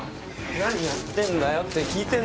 何やってんだよって訊いてんだよ！